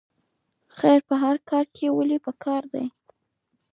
خیر په هر کار کې ولې پکار دی؟